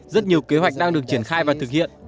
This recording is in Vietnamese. rất nhiều kế hoạch đang được triển khai và thực hiện